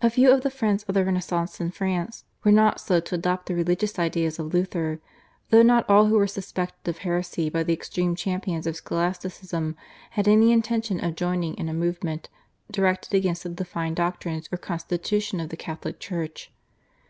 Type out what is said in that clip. A few of the friends of the Renaissance in France were not slow to adopt the religious ideas of Luther, though not all who were suspected of heresy by the extreme champions of Scholasticism had any intention of joining in a movement directed against the defined doctrines or constitution of the Catholic Church.